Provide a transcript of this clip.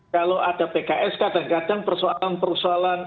kalau ada pks kadang kadang persoalan persoalan